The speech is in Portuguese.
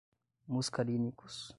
muscarínicos